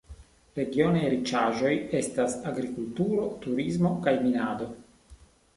Regionaj riĉaĵoj estas agrikulturo, turismo kaj minado.